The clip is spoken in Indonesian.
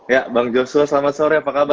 ya bang joshua selamat sore apa kabar